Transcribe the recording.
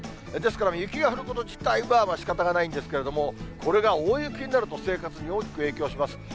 ですから、雪が降ること自体はしかたがないんですけれども、これが大雪になると生活に大きく影響します。